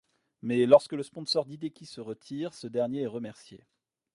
Mais lorsque le sponsor d'Hideki se retire, ce dernier est remercié.